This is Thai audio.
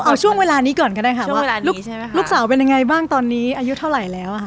เอาช่วงเวลานี้ก่อนก็ได้ค่ะช่วงเวลานี้ลูกสาวเป็นยังไงบ้างตอนนี้อายุเท่าไหร่แล้วค่ะ